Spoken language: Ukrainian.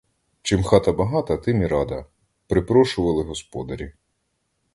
Чим хата багата, тим і рада, — припрошували господарі.